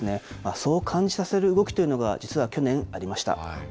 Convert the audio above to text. そう感じさせる動きというのが、実は去年、ありました。